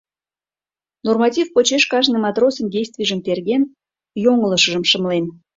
Норматив почеш кажне матросын действийжым терген, йоҥылышыжым шымлен.